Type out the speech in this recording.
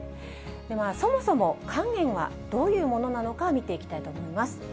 そもそも肝炎はどういうものなのか、見ていきたいと思います。